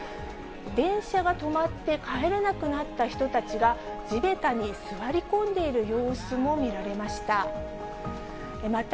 電車が止まって帰れなくなった人たちが、地べたに座り込んでいる様子も見られました。